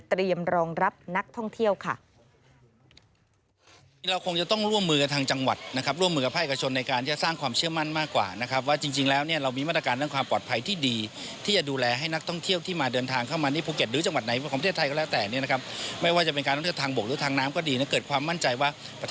เตรียมรองรับนักท่องเที่ยวค่ะ